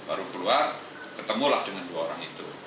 baru keluar ketemulah dengan dua orang itu